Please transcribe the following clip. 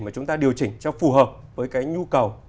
mà chúng ta điều chỉnh cho phù hợp với cái nhu cầu